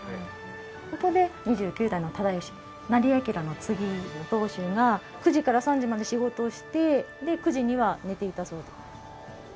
ここで２９代の忠義斉彬の次の当主が９時から３時まで仕事をしてで９時には寝ていたそうです。